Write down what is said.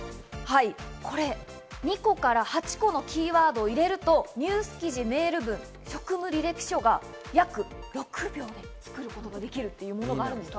２個から８個のキーワードを入れるとニュース記事、メール文、職務履歴書が約６秒で作ることができるというものです。